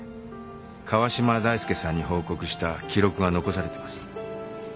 川嶋大介さんに報告した記録が残されてます。